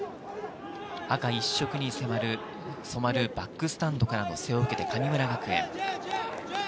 赤一色に染まるバックスタンドから声援を受けて神村学園。